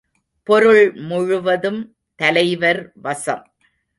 பொருள் முழுவதும் தலைவர் வசம்!